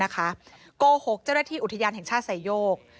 โกหกเจ้าหน้าที่อุทยานแห่งชาติสายโยก